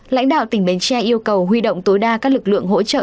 lãnh đạo tỉnh bến tre yêu cầu huy động tối đa các lực lượng hỗ trợ